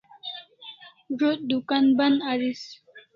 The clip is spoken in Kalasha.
Zo't dukan ban aris